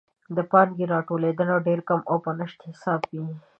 د پانګې راټولیدنه ډېر کم او په نشت حساب وي.